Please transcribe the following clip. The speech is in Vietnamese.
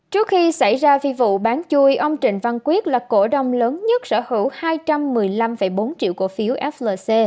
trước khi xảy ra phi vụ bán chui ông trịnh văn quyết là cổ đông lớn nhất sở hữu hai trăm một mươi năm bốn triệu cổ phiếu flc